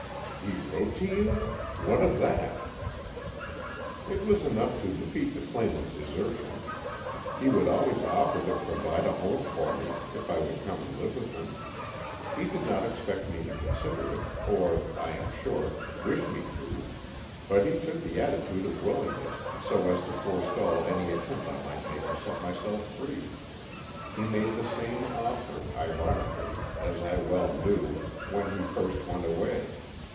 "He wrote to you! What of that?" "It was enough to defeat the claim of desertion. He would always offer to provide a home for me if I would come and live with him. He did not expect me to consider it, or, I am sure, wish me to, but he took the attitude of willingness, so as to forestall any attempt I might make to set myself free. He made the same offer, ironically as I well knew, when he first went away.